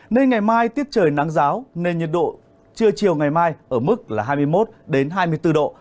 nên ngày mai tiết trời nắng giáo nên nhiệt độ trưa chiều ngày mai ở mức là hai mươi một hai mươi bốn độ